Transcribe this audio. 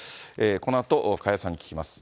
このあと加谷さんに聞きます。